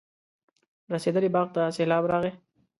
رسېدلي باغ ته سېلاب راغی.